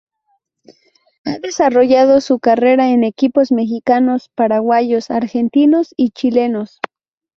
Ha desarrollado su carrera en equipos mexicanos, paraguayos, argentinos y chilenos.